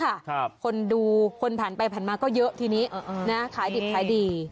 ครับคนดูคนผ่านไปผ่านมาก็เยอะทีนี้เออนะขายดิบขายดี